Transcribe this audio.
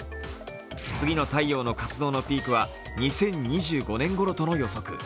次の太陽の活動のピークは２０２５年ごろとの予測。